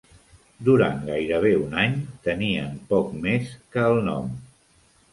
Durant gairebé un any tenien poc més que el nom.